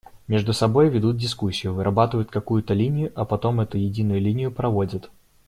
Между собой ведут дискуссию, вырабатывают какую-то линию, а потом эту единую линию проводят.